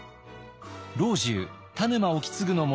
老中田沼意次の下